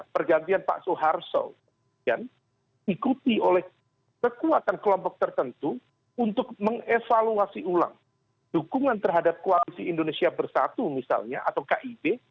pergantian pak soeharto diikuti oleh kekuatan kelompok tertentu untuk mengevaluasi ulang dukungan terhadap koalisi indonesia bersatu misalnya atau kib